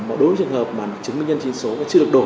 một đối với trường hợp mà chứng minh nhân trình số chưa được đổi